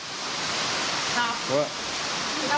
ก็จะขอโทษอยู่ครับ